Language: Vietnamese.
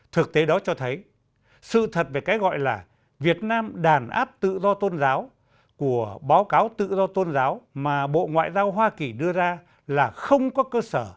thực tế đó cho thấy sự thật về cái gọi là việt nam đàn áp tự do tôn giáo của báo cáo tự do tôn giáo mà bộ ngoại giao hoa kỳ đưa ra là không có cơ sở